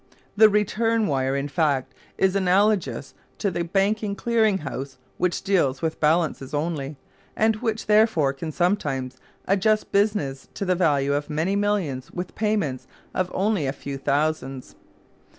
The return wire, in fact, is analogous to the Banking Clearing House, which deals with balances only, and which therefore can sometimes adjust business to the value of many millions with payments of only a few thousands.